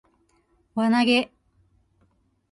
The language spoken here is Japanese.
輪投げ